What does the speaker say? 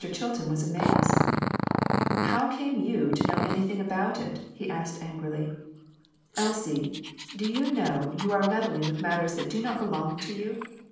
Chilton was amazed. "How came you to know anything about it?" he asked, angrily. " Elsie, do you know you are meddling with matters that do not belong to you